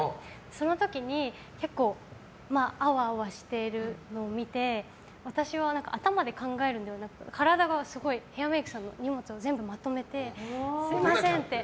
その時に、結構アワアワしているのを見て私は頭で考えるのではなくて体がすごいヘアメイクさんの荷物をまとめてすみません！